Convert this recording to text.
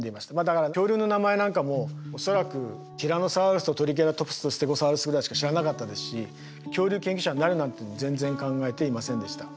だから恐竜の名前なんかもう恐らくティラノサウルスとトリケラトプスとステゴサウルスぐらいしか知らなかったですし恐竜研究者になるなんて全然考えていませんでした。